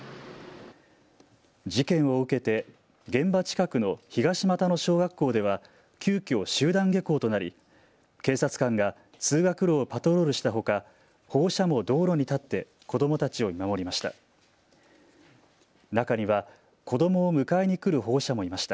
事件を受けて現場近くの東俣野小学校では急きょ集団下校となり、警察官が通学路をパトロールしたほか保護者も道路に立って子どもたちを見守りました。